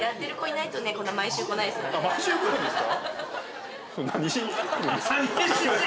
毎週来るんですか？